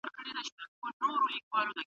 سیلانۍ د دې خوړو ډېر صفت کوي.